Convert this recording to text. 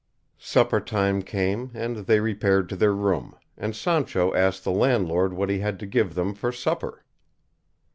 Supper time came, and they repaired to their room, and Sancho asked the landlord what he had to give them for supper.